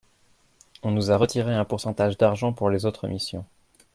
On nous a retiré un pourcentage d’argent pour les autres missions.